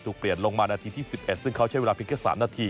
เปลี่ยนลงมานาทีที่๑๑ซึ่งเขาใช้เวลาเพียงแค่๓นาที